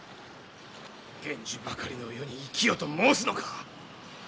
源氏ばかりの世に生きよと申すのか。